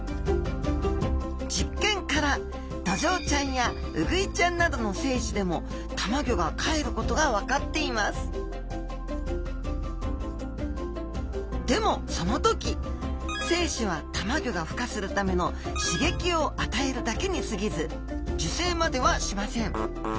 実験からドジョウちゃんやウグイちゃんなどの精子でもたまギョがかえることが分かっていますでもその時精子はたまギョがふ化するための刺激を与えるだけにすぎず受精まではしません。